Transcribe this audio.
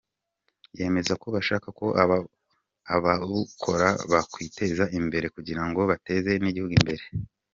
Yemeza ko bashaka ko ababukora bakwiteza imbere, kugira ngo bateze n’igihugu imbere.